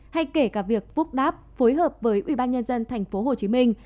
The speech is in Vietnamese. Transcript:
hay kể cả việc phúc đáp phối hợp với ubnd thành phố hồ chí minh